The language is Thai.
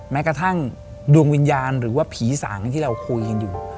แม้กระทั่งดวงวิญญาณหรือว่าผีสางที่เราคุยกันอยู่